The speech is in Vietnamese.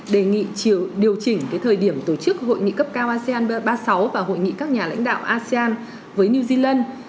đề nghị điều chỉnh thời điểm tổ chức hội nghị cấp cao asean ba mươi sáu và hội nghị các nhà lãnh đạo asean với new zealand